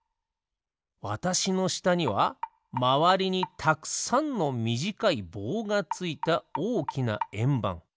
わたしのしたにはまわりにたくさんのみじかいぼうがついたおおきなえんばん。